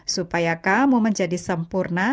supaya kamu menjadi sempurna